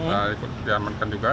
ya ikut diamankan juga